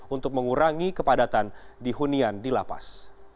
untuk mengurangi kepadatan di hunian di lapas